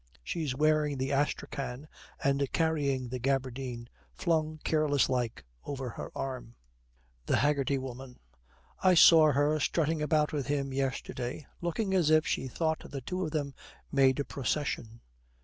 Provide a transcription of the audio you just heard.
She's wearing the astrakhan, and carrying the gabardine, flung careless like over her arm.' THE HAGGERTY WOMAN. 'I saw her strutting about with him yesterday, looking as if she thought the two of them made a procession.'